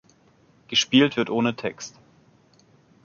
Gespielt wird ohne Text.